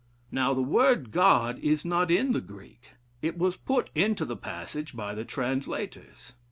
Now the word 'God' is not in the Greek; it was put into the passage by the translators.